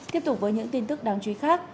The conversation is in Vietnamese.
tiếp tục với những tin tức đáng chú ý khác